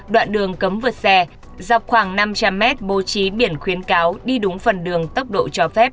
đoạn đường cấm vượt xe dọc khoảng năm trăm linh mét bố trí biển khuyến cáo đi đúng phần đường tốc độ cho phép